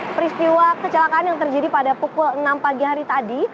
peristiwa kecelakaan yang terjadi pada pukul enam pagi hari tadi